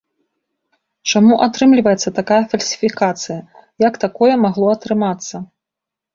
Чаму атрымліваецца такая фальсіфікацыя, як такое магло атрымацца?!